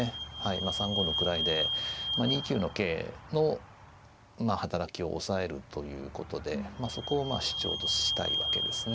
まあ３五の位で２九の桂の働きを抑えるということでまあそこを主張としたいわけですね。